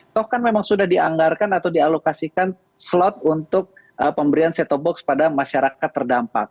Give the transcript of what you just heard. toh kan memang sudah dianggarkan atau dialokasikan slot untuk pemberian set top box pada masyarakat terdampak